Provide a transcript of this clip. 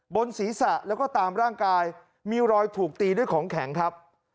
บนศีรษะแล้วก็ตามร่างกายมีรอยถูกตีด้วยของแข็งครับ